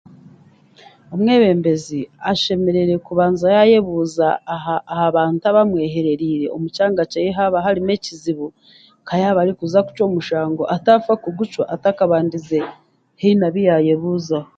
Omwebembezi ashemereire Kubanza yaayebuuza aha abantu abamwehererire omu kyanga kyeye haba harimu ekizibu nka yaba arikuza kucwa omushango ataafa kugucwa atakabandize heine abu y'ayebuzaho.